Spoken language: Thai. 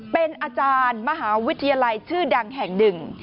เป็นอาจารย์มหาวิทยาลัยชื่อดังแห่งหนึ่ง